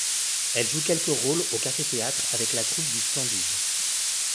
Elle joue quelques rôles au café-théâtre avec la troupe du Splendid.